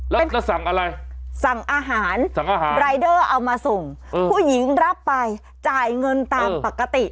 แล้วก็สั่งอะไรสั่งอาหารสั่งอาหารรายเดอร์เอามาส่งผู้หญิงรับไปจ่ายเงินตามปกติ